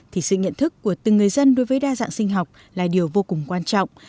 thì sự nhận thức của từng người dân đối với đa dạng sinh học là điều vô cùng quan trọng